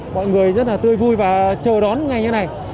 mọi người rất là tươi vui và chờ đón ngày như thế này